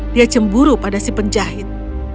dia cemburu pada si penjahit